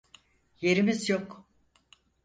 Yerimiz yok.